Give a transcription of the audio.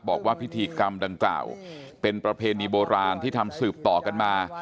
บอกว่าพิธีกรรมดังกล่าวเป็นประเพณีโบราณที่ทำสืบต่อกันมา